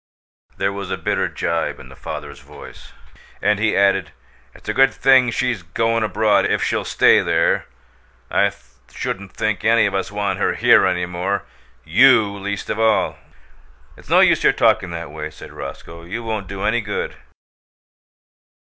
There was a bitter gibe in the father's voice, and he added: "It's a good thing she's goin' abroad if she'll stay there. I shouldn't think any of us want her here any more you least of all!" "It's no use your talking that way," said Roscoe. "You won't do any good."